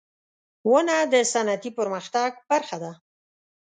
• ونه د صنعتي پرمختګ برخه ده.